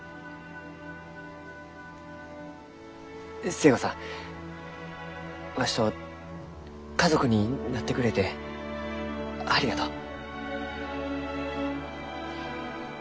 寿恵子さんわしと家族になってくれてありがとう。